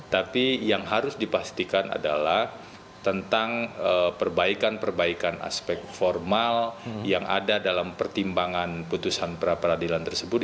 tapi yang harus dipastikan adalah tentang perbaikan perbaikan aspek formal yang ada dalam pertimbangan putusan pra peradilan tersebut